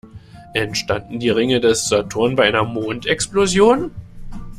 Entstanden die Ringe des Saturn bei einer Mondexplosion?